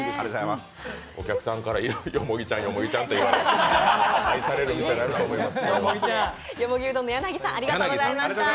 お客さんからよもぎちゃん、よもぎちゃんって愛される店になると思います。